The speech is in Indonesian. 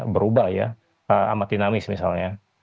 berubah ya amat dinamis misalnya